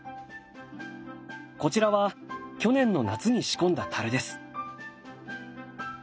こちらは去年の夏に仕込んだです。